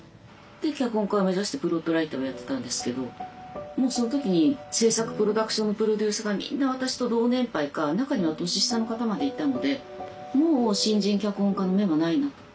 脚本家を目指してプロットライターをやってたんですけどもうその時に制作プロダクションのプロデューサーがみんな私と同年配か中には年下の方までいたのでもう新人脚本家の芽はないなと。